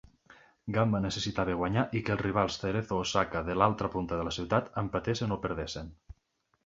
Gamba necessitava guanyar i que els rivals Cerezo Osaka de l'altre punta de la ciutat empatessin o perdessin.